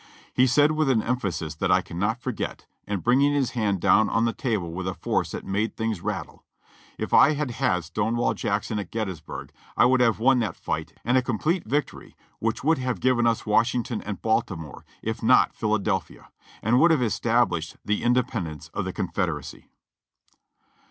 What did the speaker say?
He said with an emphasis that I cannot forget, and bringing his hand down on the table with a force that made things rattle : 'If I had had Stonewall Jackson at Gettysburg I would have won that fight and a complete victory which would ha\e given us Washington and Baltimore, if not Philadelphia, and would have established the independence of the Confederacy.'